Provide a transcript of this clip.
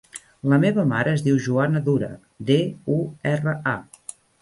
La meva mare es diu Joana Dura: de, u, erra, a.